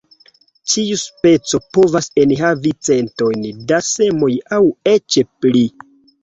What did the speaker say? Ĉiu speco povas enhavi centojn da semoj aŭ eĉ pli.